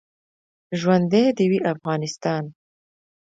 ژوندی دې وي افغانستان.